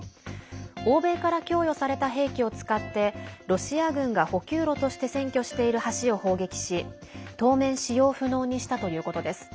欧米から供与された兵器を使ってロシア軍が補給路として占拠している橋を砲撃し当面、使用不能にしたということです。